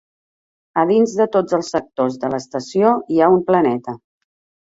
A dins de tots els sectors de l'estació hi ha un planeta.